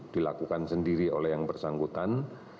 dilakukan sendiri oleh yang bersangkutan